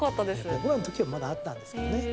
僕らの時はまだあったんですけどね。